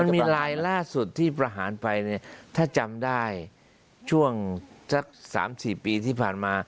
มันมีลายล่าสุดที่ประหารไปเนี่ยถ้าจำได้ช่วงสัก๓๔ปีที่ผ่านมา